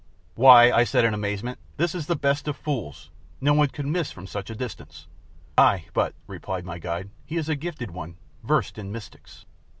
"Why," I said in amazement, "this is the best of fools no one could miss from such a distance." "Ay but," replied my guide, "he is a gifted one, versed in mystics."